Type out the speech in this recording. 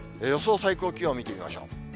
最高気温見てみましょう。